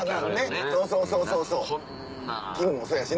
そうそうそうそう気分もそうやしね。